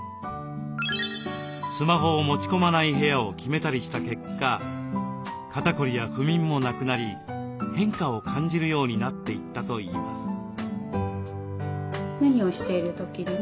スマホを持ち込まない部屋を決めたりした結果肩こりや不眠もなくなり変化を感じるようになっていったといいます。